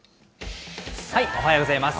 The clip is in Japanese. おはようございます。